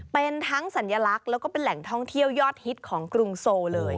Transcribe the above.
เป็นทั้งสัญลักษณ์แล้วก็เป็นแหล่งท่องเที่ยวยอดฮิตของกรุงโซเลย